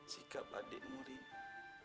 sikap adik muridmu